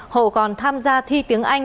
hậu còn tham gia thi tiếng anh